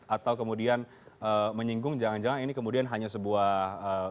atau kemudian menyinggung jangan jangan ini kemudian hanya sebuah